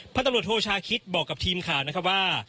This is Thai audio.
ตำรวจโทชาคิดบอกกับทีมข่าวนะครับว่า